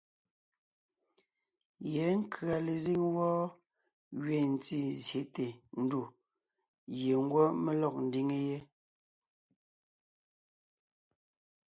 Yɛ̌ nkʉ̀a lezíŋ wɔ́ gẅiin ntí zsyète ndù gie ngwɔ́ mé lɔg ńdiŋe yé.